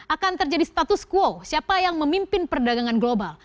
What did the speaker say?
akan terjadi status quo siapa yang memimpin perdagangan global